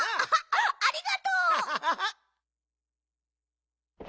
ありがとう！は！